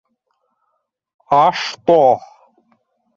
А что?